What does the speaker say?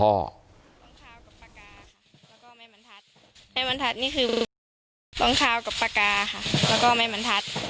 ตรงคาวกับปากาค่ะแล้วก็แม่มันทัศน์แม่มันทัศน์นี่คือตรงคาวกับปากาค่ะแล้วก็แม่มันทัศน์